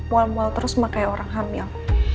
wal wal terus mah kayak orang hamil